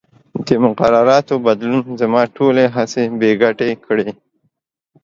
د مقرراتو بدلون زما ټولې هڅې بې ګټې کړې.